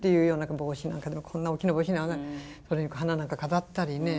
帽子なんかでもこんな大きな帽子でそれに花なんか飾ったりね。